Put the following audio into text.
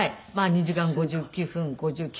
２時間５９分５９。